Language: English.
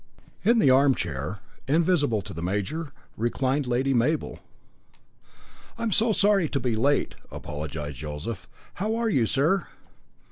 In the armchair, invisible to the major, reclined Lady Mabel. "I am so sorry to be late," apologised Joseph. "How are you, sir?"